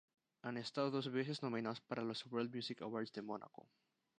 Han estado dos veces nominados para los World Music Awards de Mónaco.